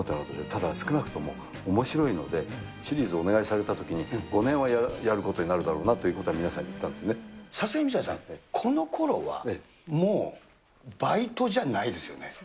ただ、少なくともおもしろいので、シリーズお願いされたときに、５年はやることになるだろうなということは、皆さんに言ったんでさすがに水谷さん、このころは、もうバイトじゃないですよね？